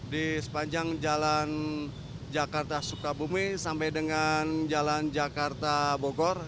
di sepanjang jalan jakarta sukabumi sampai dengan jalan jakarta bogor